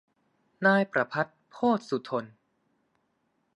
นายประภัตร โพธสุธน